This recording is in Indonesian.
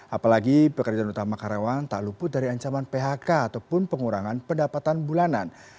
apalagi pekerjaan utama karyawan tak luput dari ancaman phk ataupun pengurangan pendapatan bulanan